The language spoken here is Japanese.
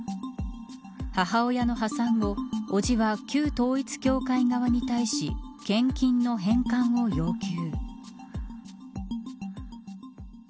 母親の破産後伯父は旧統一教会に対し献金の返還を要求。